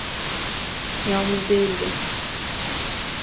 Yalnız değildi.